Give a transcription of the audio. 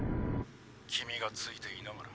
君が付いていながら。